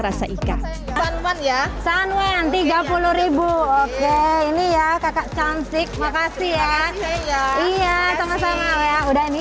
rasa ikan ya sunwen tiga puluh oke ini ya kakak cantik makasih ya iya sama sama ya udah ini